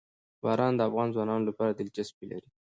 باران د افغان ځوانانو لپاره دلچسپي لري.